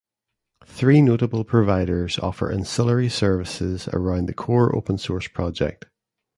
Three notable providers offer ancillary services around the core open source project.